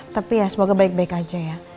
tapi ya semoga baik baik aja ya